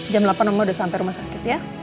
jam delapan nomor udah sampai rumah sakit ya